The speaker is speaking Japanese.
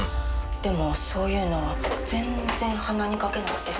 でもそういうの全然鼻にかけなくて。